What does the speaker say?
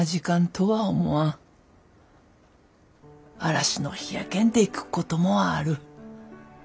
嵐の日やけんでくっこともある。